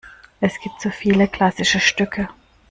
Es gibt so viele klassische Stücke!